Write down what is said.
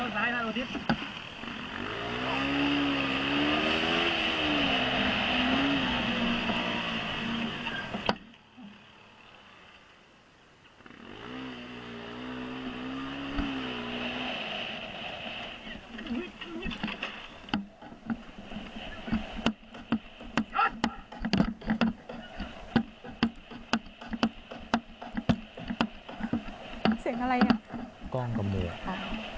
เสียงอะไรอ่ะกล้องกับมือ